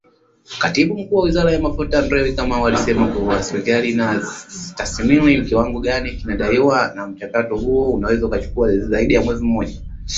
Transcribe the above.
Katibu Mkuu wa Wizara ya Mafuta ,Andrew Kamau, alisema kuwa serikali inatathmini kiwango gani kinadaiwa na mchakato huo unaweza kuchukua zaidi ya mwezi mmoja